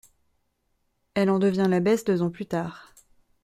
Elle en devient l'abbesse deux ans plus tard.